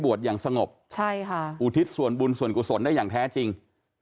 อย่างสงบใช่ค่ะอุทิศส่วนบุญส่วนกุศลได้อย่างแท้จริง